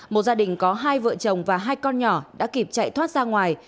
một gia đình có hai vợ chồng và hai con nhỏ đã kịp chạy thoát ra ngoài